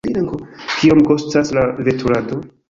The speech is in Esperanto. Kiom kostas la veturado?